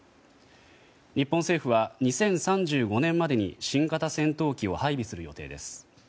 日本政府は２０３５年までに新型戦闘機を配備する予定です。